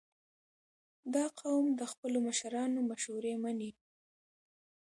• دا قوم د خپلو مشرانو مشورې منې.